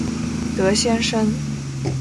德先生